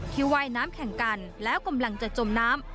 ว่ายน้ำแข่งกันแล้วกำลังจะจมน้ำ